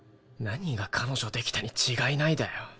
何が彼女できたに違いないだよ。